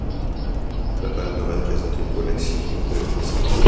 La palmeraie présente une collection de espèces.